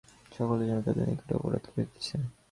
সকলেই যেন তাহাদের নিকটে অপরাধ করিতেছে।